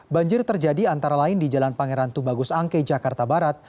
banjir terjadi antara lain di jalan pangeran tubagus angke jakarta barat